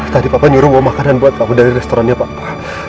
tadi papa nyuruh bawa makanan buat apa dari restorannya bapak